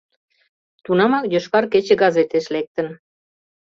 Тунамак «Йошкар кече» газетеш лектын.